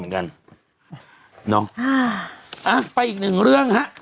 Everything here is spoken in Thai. น้องไปอีกหนึ่งเรื่องครับ